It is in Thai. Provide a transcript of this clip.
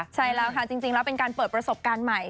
ใช่แล้วค่ะจริงแล้วเป็นการเปิดประสบการณ์ใหม่